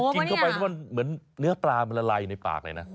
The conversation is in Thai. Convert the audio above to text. กินเข้าไปมันเหมือนน้ำปลาและอะไรในปากอะไรนะ